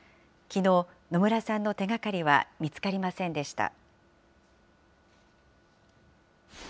きのう、野村さんの手がかりは見つかりませんでした。